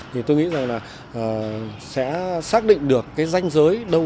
thì tôi nghĩ rằng là sẽ xác định được cái danh giới đầu tư